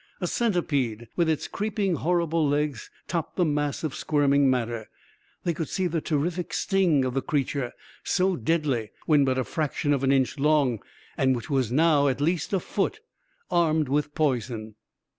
A centipede with its creeping, horrible legs topped the mass of squirming matter; they could see the terrific sting of the creature, so deadly when but a fraction of an inch long, and which was now at least a foot, armed with poison.